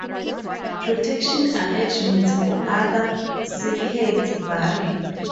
Protection arrangements for other circuits varied.